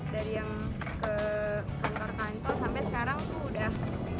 dari yang ke kantor kantor sampai sekarang tuh udah